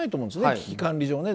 危機管理上。